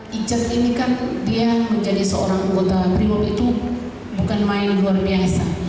richard ini kan dia menjadi seorang anggota brimob itu bukan main luar biasa